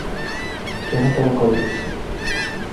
কেন তারা কল দিচ্ছে?